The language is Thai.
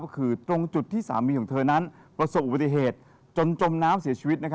ก็คือตรงจุดที่สามีของเธอนั้นประสบอุบัติเหตุจนจมน้ำเสียชีวิต